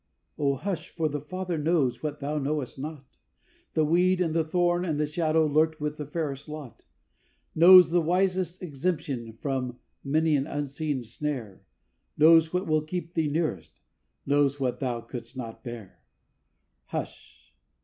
oh, hush! for the Father knows what thou knowest not, The weed and the thorn and the shadow lurked with the fairest lot; Knows the wisest exemption from many an unseen snare, Knows what will keep thee nearest, knows what thou couldst not bear. Hush!